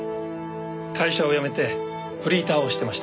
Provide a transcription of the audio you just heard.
会社を辞めてフリーターをしてました。